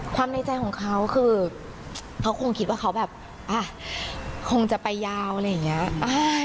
ในใจของเขาคือเขาคงคิดว่าเขาแบบอ่ะคงจะไปยาวอะไรอย่างนี้